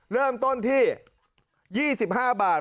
เริ่มต้นที่๒๕บาท